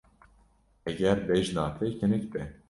Heger bejna te kinik be.